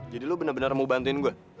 jadi lu bener bener mau bantuin gue